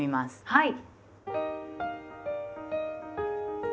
はい。